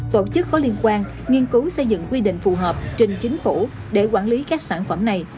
tổ chức có liên quan nghiên cứu xây dựng quy định phù hợp trình chính phủ để quản lý các sản phẩm này